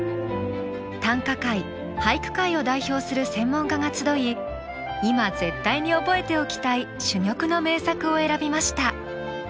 短歌界俳句界を代表する専門家が集い今絶対に覚えておきたい珠玉の名作を選びました。